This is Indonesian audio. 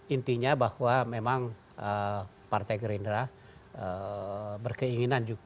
intinya bahwa memang partai gerindra berkeinginan